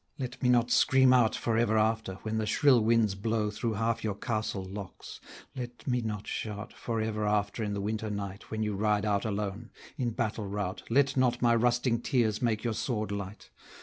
let me not scream out For ever after, when the shrill winds blow Through half your castle locks! let me not shout For ever after in the winter night When you ride out alone! in battle rout Let not my rusting tears make your sword light!